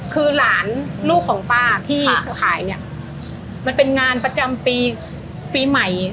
คือหลานลูกของป้าที่เธอขายเนี่ยมันเป็นงานประจำปีปีใหม่